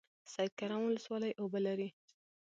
سید کرم ولسوالۍ اوبه لري؟